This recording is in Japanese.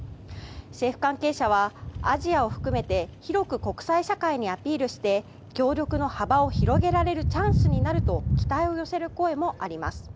政府関係者はアジアを含めて広く国際社会にアピールして協力の幅を広げられるチャンスになると期待を寄せる声もあります。